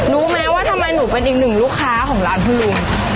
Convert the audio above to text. รู้ไหมว่าทำไมหนูเป็นอีกหนึ่งลูกค้าของร้านคุณลุง